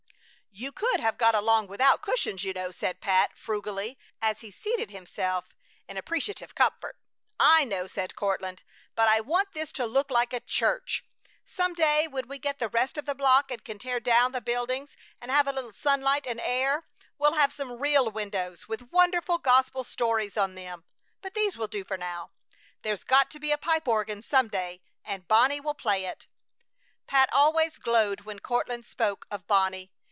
"You could have got along without cushions, you know," said Pat, frugally, as he seated himself in appreciative comfort. "I know," said Courtland, "but I want this to look like a church! Some day when we get the rest of the block and can tear down the buildings and have a little sunlight and air, we'll have some real windows with wonderful gospel stories on them, but these will do for now. There's got to be a pipe organ some day, and Bonnie will play it!" Pat always glowed when Courtland spoke of Bonnie.